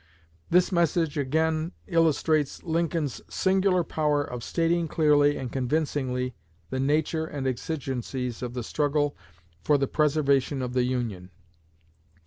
This message again illustrates Lincoln's singular power of stating clearly and convincingly the nature and exigencies of the struggle for the Preservation of the Union.